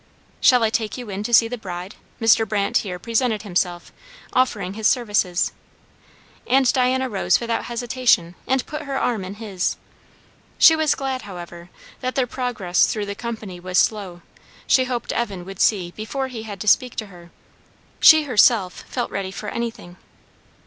"Shall I take you in to see the bride?" Mr. Brandt here presented himself, offering his services. And Diana rose without hesitation and put her arm in his. She was glad, however, that their progress through the company was slow; she hoped Evan would see before he had to speak to her. She herself felt ready for anything.